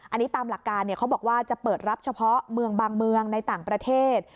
อันนี้ตามหลักการเขาบอกว่าจะเปิดรับเฉพาะเมืองบางเมืองในต่างประเทศ